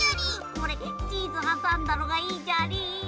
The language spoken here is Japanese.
おれチーズはさんだのがいいじゃり。